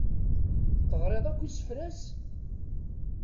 Teɣriḍ akk isefra-s?